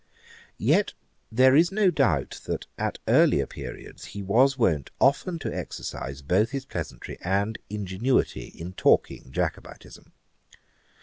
] Yet there is no doubt that at earlier periods he was wont often to exercise both his pleasantry and ingenuity in talking Jacobitism.